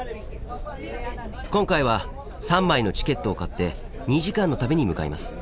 今回は３枚のチケットを買って２時間の旅に向かいます。